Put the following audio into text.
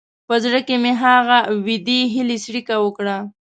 په زړه کې مې هغه وېډې هیلې څړیکه وکړه.